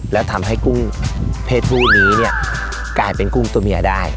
แล้วทำให้กุ้งเพศผู้นี้เนี่ยกลายเป็นกุ้งตัวเมียได้